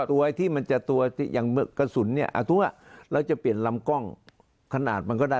ไอ้ที่มันจะตัวอย่างกระสุนเนี่ยเอาทุกว่าเราจะเปลี่ยนลำกล้องขนาดมันก็ได้